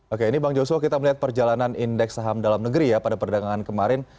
oke ini bang joshua kita melihat perjalanan indeks saham dalam negeri ya pada perdagangan kemarin